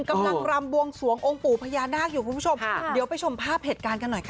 กำลังรำบวงสวงองค์ปู่พญานาคอยู่คุณผู้ชมค่ะเดี๋ยวไปชมภาพเหตุการณ์กันหน่อยค่ะ